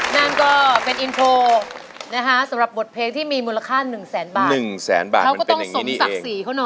นั่นก็เป็นอินโทรนะฮะสำหรับบทเพลงที่มีมูลค่า๑แสนบาท๑แสนบาทมันเป็นอย่างนี้เอง